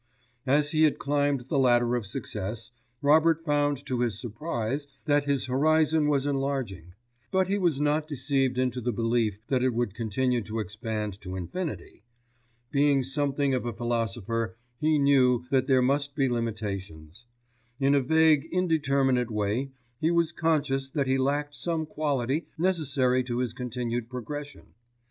As he had climbed the ladder of success, Robert found to his surprise that his horizon was enlarging; but he was not deceived into the belief that it would continue to expand to infinity. Being something of a philosopher, he knew that there must be limitations. In a vague, indeterminate way he was conscious that he lacked some quality necessary to his continued progression.